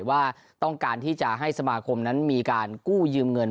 ว่าต้องการที่จะให้สมาคมนั้นมีการกู้ยืมเงิน